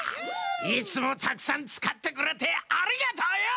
いつもたくさんつかってくれてありがとうよ！